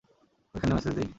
ঐখানে মেসেজ দেই?